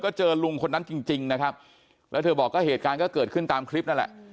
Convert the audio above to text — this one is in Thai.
ก็เจอลุงคนนั้นจริงจริงนะครับแล้วเธอบอกก็เหตุการณ์ก็เกิดขึ้นตามคลิปนั่นแหละ